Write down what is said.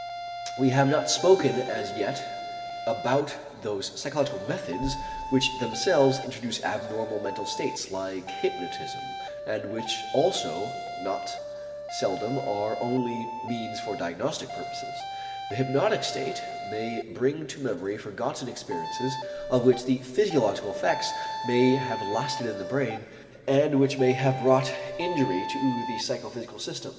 We have not spoken as yet about those psychological methods which themselves introduce abnormal mental states like hypnotism, and which also not seldom are only means for diagnostic purposes. The hypnotic state may bring to memory forgotten experiences of which the physiological effects may have lasted in the brain and which may have brought injury to the psychophysical system.